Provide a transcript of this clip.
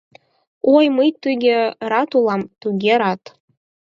О, мый туге рат улам, туге рат!